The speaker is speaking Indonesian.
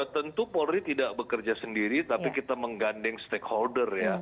tentu polri tidak bekerja sendiri tapi kita menggandeng stakeholder ya